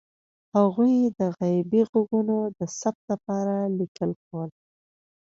هغوی د غیبي غږونو د ثبت لپاره لیکل کول.